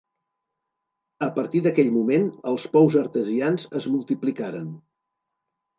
A partir d'aquell moment els pous artesians es multiplicaren.